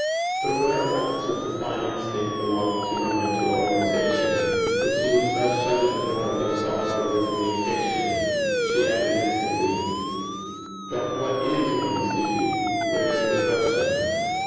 But aware at once, with the fine instinct belonging to her mental organization, that she was thus shutting the door against all further communication, she added instantly: 'But what is one's duty? There is the question.'